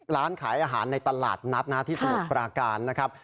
ร้านขายอาหารในตลาดนัดนะที่สมุทรปราการนะครับ